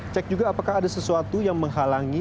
cek juga apakah ada sesuatu yang menghalangi